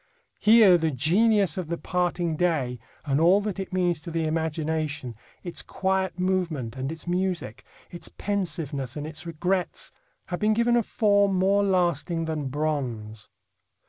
Here the genius of the parting day, and all that it means to the imagination, its quiet movement and its music, its pensiveness and its regrets, have been given a form more lasting than bronze.